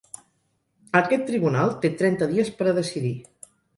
Aquest tribunal té trenta dies per a decidir.